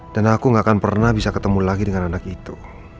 dan aku gak akan pernah bisa ketemu lagi dengan anak itu